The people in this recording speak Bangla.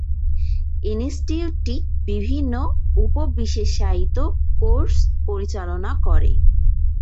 ইনস্টিটিউটটি বিভিন্ন উপ-বিশেষায়িত কোর্স পরিচালনা করে।